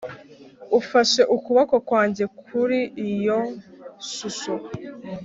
Ufashe ukuboko kwanjye kuri iyo shusho